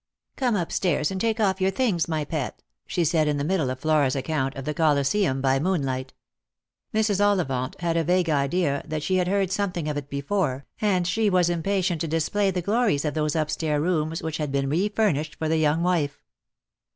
" Come upstairs and take off your things, my pet," she said in the middle of Flora's account of the Colosseum by moonlight. Mrs. Ollivant had a vague idea that she had heard something of it before, and she was impatient to display the glories of those upstair rooms which had been refurnished for the young wife.